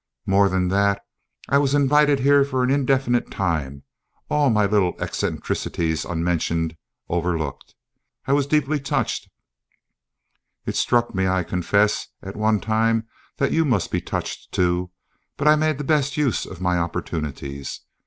More than that, I was invited here for an indefinite time, all my little eccentricities unmentioned, overlooked. I was deeply touched (it struck me, I confess, at one time that you must be touched too), but I made the best use of my opportunities.